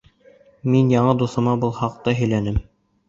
Мин яңы дуҫыма был хаҡта һөйләнем.